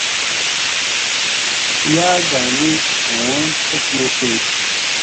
یاہ گھانی ہون اِت مُک گئی